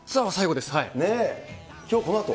ねぇ、きょうこのあと。